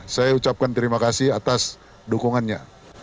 saya ucapkan terima kasih atas dukungannya